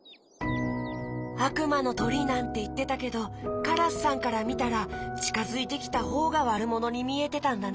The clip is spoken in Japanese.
「あくまのとり」なんていってたけどカラスさんからみたらちかづいてきたほうがわるものにみえてたんだね。